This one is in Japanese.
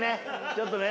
ちょっとね。